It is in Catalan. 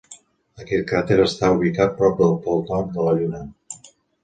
Aquest cràter està ubicat prop del pol nord de la Lluna.